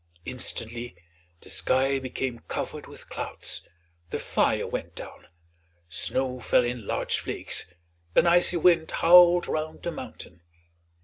Instantly the sky became covered with clouds, the fire went down, snow fell in large flakes, an icy wind howled round the mountain.